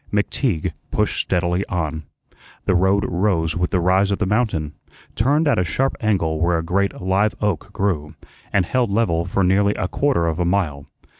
McTeague pushed steadily on. The road rose with the rise of the mountain, turned at a sharp angle where a great live oak grew, and held level for nearly a quarter of a mile.